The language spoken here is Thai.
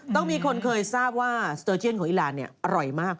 ต้องมีคนเคยทราบว่าสเตอร์เชียนของอีรานอร่อยมาก